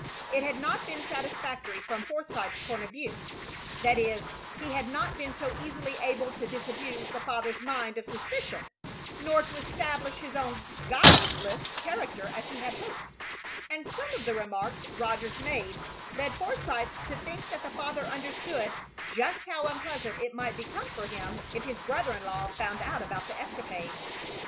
It had not been satisfactory from Forsythe's point of view; that is, he had not been so easily able to disabuse the father's mind of suspicion, nor to establish his own guileless character as he had hoped; and some of the remarks Rogers made led Forsythe to think that the father understood just how unpleasant it might become for him if his brother in law found out about the escapade.